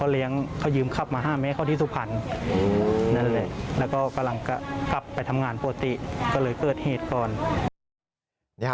แล้วก็กำลังกลับไปทำงานปกติก็เลยเกิดเหตุกรณ์